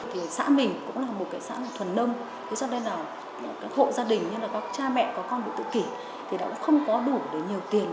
thì xã mình cũng là một cái xã mà thuần nông thế cho nên là các hộ gia đình như là các cha mẹ có con bị tự kỷ thì cũng không có đủ để nhiều tiền